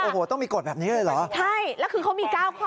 โอ้โหต้องมีกฎแบบนี้เลยเหรอใช่แล้วคือเขามี๙ข้อ